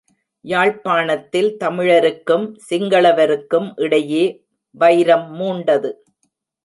யாழ்ப்பாணத்தில் தமிழருக்கும் சிங்களவருக்கும் இடையே வைரம் மூண்டது.